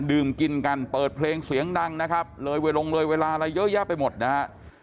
ดื่มกินกันเปิดเพลงเสียงดังนะครับเลยเวลาลงเลยเวลาอะไรเยอะแยะไปหมดนะฮะ